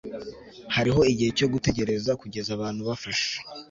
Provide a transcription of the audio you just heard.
hariho igihe cyo gutegereza kugeza abantu bafashe